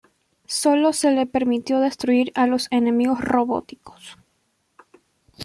Sólo se le permitió destruir a los enemigos robóticos.